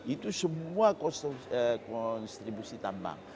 itu semua konstribusi tambang